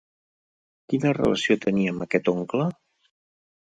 Quina relació tenia amb aquest oncle?